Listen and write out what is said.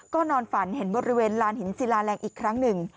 ก็นอนฝันเห็นบริเวณลานหินศิลาแรงอีกครั้งหนึ่ง